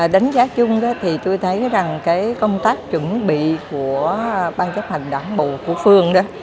đánh giá chung thì tôi thấy rằng công tác chuẩn bị của bang chấp hành đảng bộ của phương